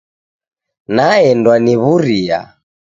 Naendwa ni w'uria.